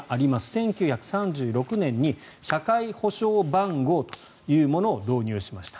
１９３６年に社会保障番号というものを導入しました。